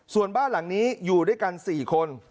ส่วนบ้านหลังนี้อยู่ด้วยกัน๔คน